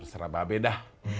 terserah babe dah